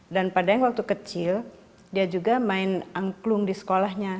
dan pada yang waktu kecil dia juga main angklung di sekolahnya